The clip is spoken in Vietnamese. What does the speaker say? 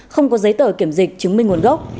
không có giấy tờ kiểm dịch chứng minh nguồn gốc